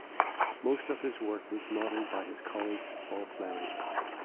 Most of his work was modeled by his colleague Paul Fleming.